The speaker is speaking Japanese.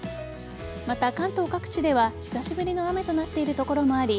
また関東各地では久しぶりの雨となっている所もあり